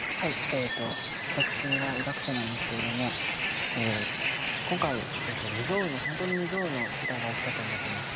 えと私は医学生なんですけれども今回未曽有のほんとに未曽有の事態が起きたと思ってます。